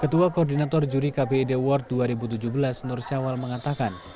ketua koordinator juri kbid world dua ribu tujuh belas nur syawal mengatakan